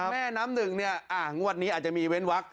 แม่น้ำหนึ่งเนี่ยงวดนี้อาจจะมีเว้นวัก